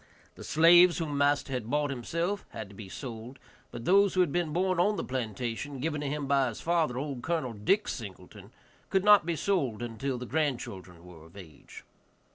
The slaves whom master had bought himself had to be sold, but those who had been born on the plantation, given to him by his father, old Col. Dick Singleton, could not be sold until the grandchildren were of age.